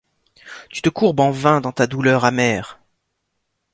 Tu te courbes en vain, dans ta douleur amère